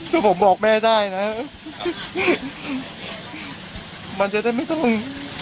ถ้าผมบอกแม่ได้นะมันจะได้ไม่ต้อง